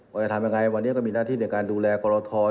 ว่าจะทำยังไงวันนี้ก็มีหน้าที่ในการดูแลกรท